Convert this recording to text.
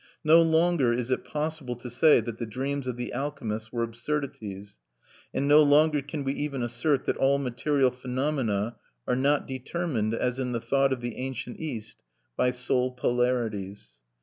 No longer is it possible to say that the dreams of the Alchemists were absurdities. And no longer can we even assert that all material phenomena are not determined, as in the thought of the ancient East, by soul polarities.